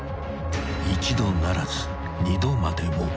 ［一度ならず二度までも］